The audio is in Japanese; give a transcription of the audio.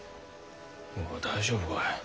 おい大丈夫かい。